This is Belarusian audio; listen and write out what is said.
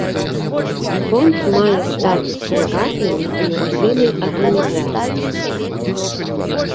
Фонд мае статус прыватнай некамерцыйнай арганізацыі.